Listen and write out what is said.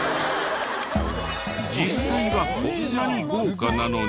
実際はこんなに豪華なのに。